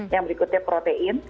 yang berikutnya protein